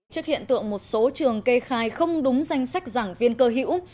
trước hiện tượng một số trường kê khai không đúng danh sách giảng viên cơ hữu